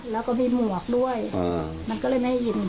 แล้วก็มีหมวกด้วยมันก็เลยไม่ได้ยิน